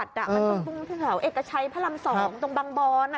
มันต้องพุ่งข้างเหล่าเอกชัยพระรำสองตรงบางบอนกรุงเทพฯ